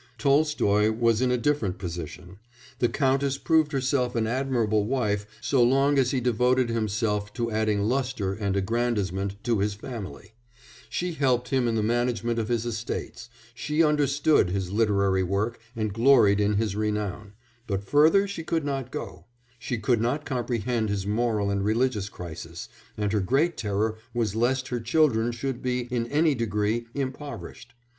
Tolstoy was in a different position: the Countess proved herself an admirable wife so long as he devoted himself to adding lustre and aggrandisement to his family; she helped him in the management of his estates, she understood his literary work and gloried in his renown, but further she could not go; she could not comprehend his moral and religious crisis, and her great terror was lest her children should be, in any degree, impoverished.